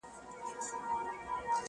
نسیمه را خبر که په سفر تللي یاران!